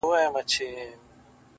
راسه چي زړه مي په لاسو کي درکړم ـ